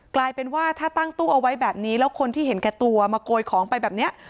กลายเป็นว่าถ้าตั้งตู้เอาไว้แบบนี้แล้วคนที่เห็นแก่ตัวมาโกยของไปแบบนี้